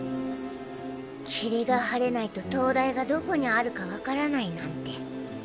霧が晴れないと灯台がどこにあるか分からないなんて。